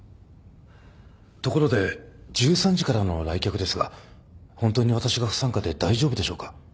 ところで１３時からの来客ですが本当に私が不参加で大丈夫でしょうか？